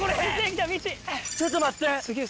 ちょっと待って。